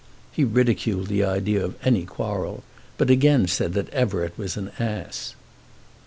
He ridiculed the idea of any quarrel, but again said that Everett was an ass.